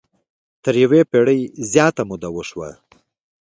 تر یوې پېړۍ زیاته موده وشوه.